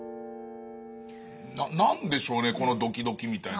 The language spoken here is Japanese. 何でしょうねこのドキドキみたいなもの。